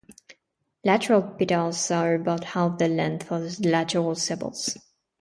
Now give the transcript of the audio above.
Lateral petals are about half the length of the lateral sepals.